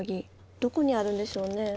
どこにあるんでしょうね？